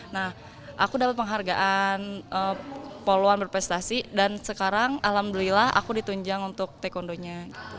nah aku dapat penghargaan poluan berprestasi dan sekarang alhamdulillah aku ditunjang untuk taekwondonya